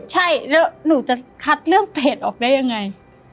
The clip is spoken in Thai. ใช่แล้วหนูจะคัดเรื่องเพจออกได้ยังไง